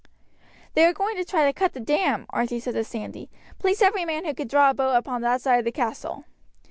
"They are going to try to cut the dam," Archie said to Sandy; "place every man who can draw a bow on that side of the castle."